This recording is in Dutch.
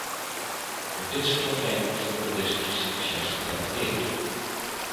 Door dit soort overeenkomsten worden deze principes juist gegarandeerd.